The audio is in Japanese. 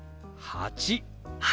８。